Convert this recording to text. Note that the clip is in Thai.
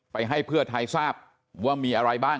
ให้เพื่อไทยทราบว่ามีอะไรบ้าง